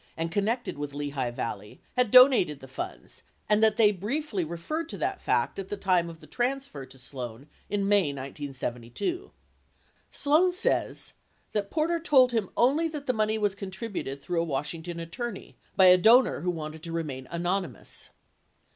and connected with Lehigh Valley, had donated the funds and that they briefly referred to that fact at the time of the transfer to Sloan in May 1972. Sloan says that Porter told him only that the money was contributed through a Washington attorney, 90 by a donor who wanted to remain anonymous.